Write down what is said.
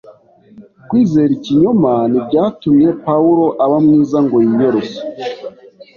Kwizera ikinyoma ntibyatumye Pawulo aba mwiza ngo yiyoroshye